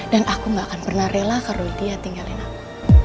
dan aku gak akan pernah rela kalau dia tinggalin aku